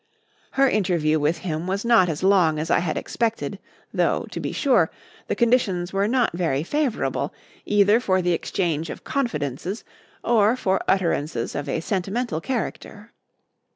Her interview with him was not as long as I had expected, though, to be sure, the conditions were not very favourable either for the exchange of confidences or for utterances of a sentimental character.